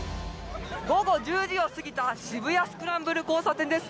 午後１０時を過ぎた渋谷・スクランブル交差点です。